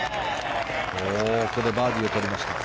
ここでバーディーをとりました。